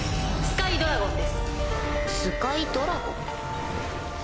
スカイドラゴン？